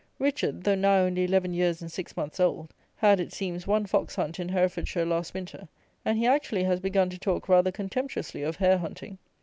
Richard, though now only 11 years and 6 months old, had, it seems, one fox hunt, in Herefordshire, last winter; and he actually has begun to talk rather contemptuously of hare hunting.